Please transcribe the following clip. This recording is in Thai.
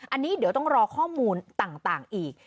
อันนี้เดี๋ยวต้องรอข้อมูลต่างอีก